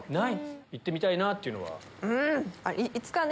行ってみたいなっていうのは？